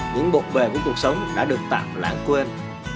những bột bề của cuộc sống đã được tạm lãng quên